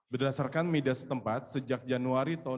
berdasarkan media setempat sejak januari